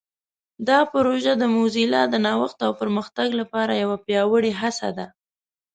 دا پروژه د موزیلا د نوښت او پرمختګ لپاره یوه پیاوړې هڅه ده.